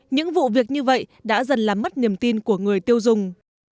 những vụ việc như vậy đã dần làm mất niềm tin của người tiêu dùng